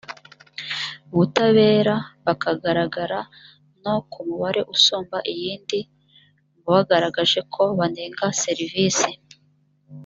butabera bakagararagara no ku mubare usumba iyindi mu bagaragaje ko banenga serivisi